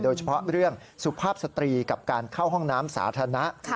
โดยเฉพาะเรื่องสุภาพสตรีกับการเข้าห้องน้ำสาธารณะ